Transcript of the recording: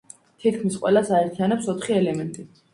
თითქმის ყველას აერთიანებს ოთხი ელემენტი.